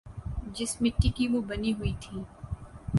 جس مٹی کی وہ بنی ہوئی تھیں۔